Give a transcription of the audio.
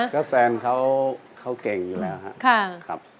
ก็แฟนเขาเก่งอยู่แล้วครับ